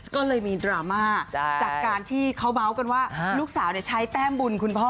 ก็เลยมีดราม่าจากการที่เขาเมาส์กันว่าลูกสาวใช้แต้มบุญคุณพ่อ